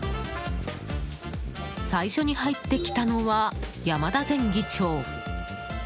最初に入ってきたのは山田前議長。